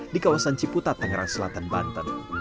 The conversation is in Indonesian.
di kawasan ciputat tangerang selatan banten